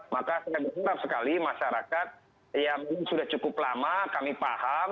maka saya berterap sekali masyarakat yang ini sudah cukup lama kami paham